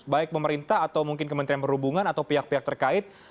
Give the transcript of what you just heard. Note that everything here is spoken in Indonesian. baik pemerintah atau mungkin kementerian perhubungan atau pihak pihak terkait